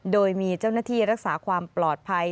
โดยมีเจ้าหน้าที่รักษาความปลอดภัย